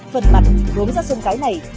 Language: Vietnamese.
phần mặt gốm ra xuống cái này